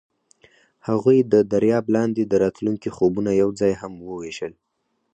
هغوی د دریاب لاندې د راتلونکي خوبونه یوځای هم وویشل.